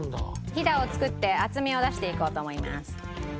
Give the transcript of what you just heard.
ひだを作って厚みを出していこうと思います。